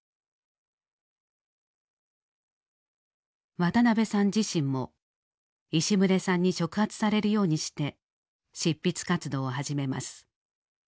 渡辺さん自身も石牟礼さんに触発されるようにして執筆活動を始めます。